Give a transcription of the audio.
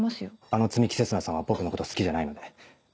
あの摘木星砂さんは僕のこと好きじゃないので。